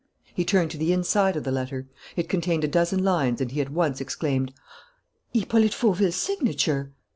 He turned to the inside of the letter. It contained a dozen lines and he at once exclaimed: "Hippolyte Fauville's signature!"